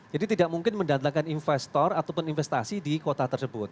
jadi tidak mungkin mendatangkan investor ataupun investasi di kota tersebut